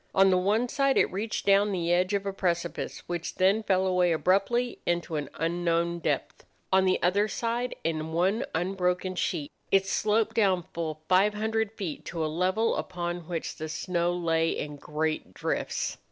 On the one side it reached down to the edge of a precipice, which then fell away abruptly into an unknown depth. On the other side, in one unbroken sheet, it sloped down full five hundred feet to a level upon, which the snow lay in great drifts.